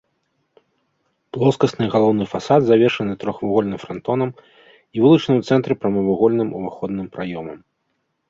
Плоскасны галоўны фасад завершаны трохвугольным франтонам і вылучаны ў цэнтры прамавугольным уваходным праёмам.